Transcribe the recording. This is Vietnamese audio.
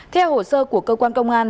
theo hồ sơ của cơ quan công an